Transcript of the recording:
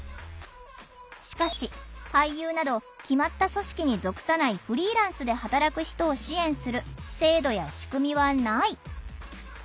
しかし俳優など決まった組織に属さないフリーランスで働く人を支援する制度や仕組みはない。